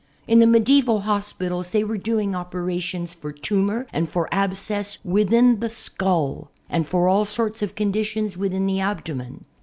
In the medieval hospitals they were doing operations for tumor and for abscess within the skull, and for all sorts of conditions within the abdomen.